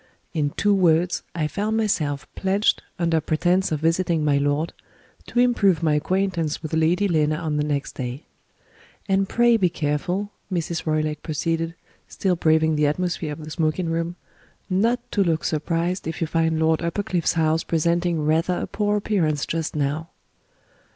In two words, I found myself pledged, under pretence of visiting my lord, to improve my acquaintance with Lady Lena on the next day. "And pray be careful," Mrs. Roylake proceeded, still braving the atmosphere of the smoking room, "not to look surprised if you find Lord Uppercliff's house presenting rather a poor appearance just now."